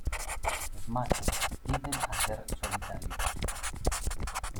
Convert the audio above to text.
Los machos tienden a ser solitarios.